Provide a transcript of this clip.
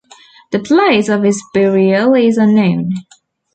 The place of his burial is unknown.